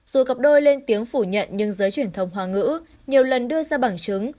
dù cặp đôi lên tiếng phủ nhận nhưng giới truyền thông hoa ngữ nhiều lần đưa ra bảng chứng